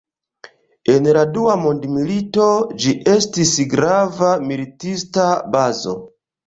En la dua mondmilito, ĝi estis grava militista bazo.